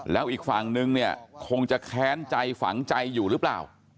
แล้วอีกฝั่งนึงเนี่ยคงจะแค้นใจฝังใจอยู่หรือเปล่า